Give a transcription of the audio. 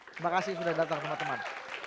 terima kasih sudah datang sama teman